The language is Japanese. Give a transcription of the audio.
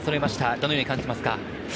どのように感じますか？